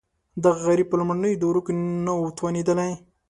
دغه برید په لومړنیو دورو کې نه و توانېدلی.